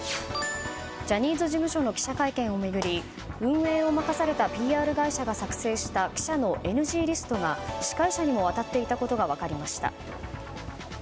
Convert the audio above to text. ジャニーズ事務所の記者会見を巡り運営を任されたＰＲ会社が作成した記者のＮＧリストが司会者にも渡っていたことが分かりました。